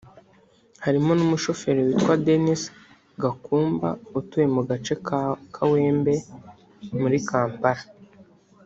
harimo n’umushoferi witwa Denis Gakumba utuye mu gace ka Kawempe muri Kampala